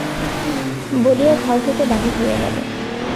বলিয়া ঘর হইতে বাহির হইয়া গেল।